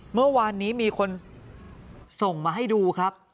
เมื่อวานนี้มีคนส่งมาให้ดูครับ